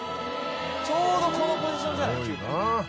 ちょうどこのポジションじゃない？